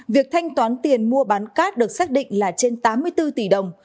việc thanh toán tiền mua bán cát được xác định là trên tám mươi bốn tỷ đồng